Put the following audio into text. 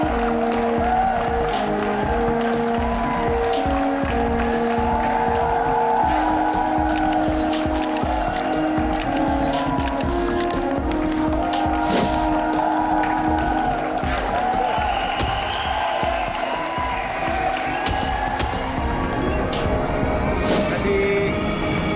terima kasih lagi ya